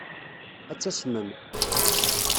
Ad tasmem.